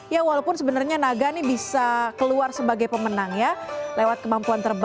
ya walaupun sebenarnya naga ini bisa keluar sebagai pemenang ya lewat kemampuan terbaik